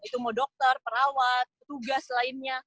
itu mau dokter perawat tugas lainnya